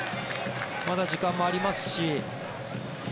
まだ時間もありますし。